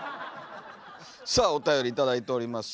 さあおたより頂いております。